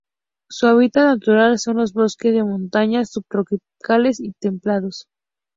Su hábitat natural son los bosques de montaña subtropicales y templados.